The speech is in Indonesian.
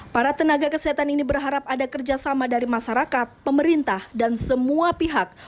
para tenaga kesehatan ini berharap ada kerjasama dari masyarakat pemerintah dan semua pihak